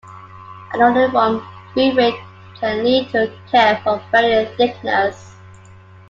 A nonuniform feed rate can lead to a kerf of varying thickness.